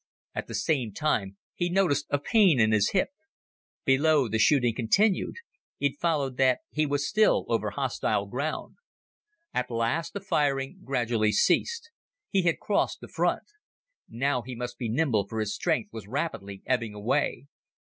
At the same time, he noticed a pain in his hip. Below the shooting continued. It followed that he was still over hostile ground. At last the firing gradually ceased. He had crossed the front. Now he must be nimble for his strength was rapidly ebbing away.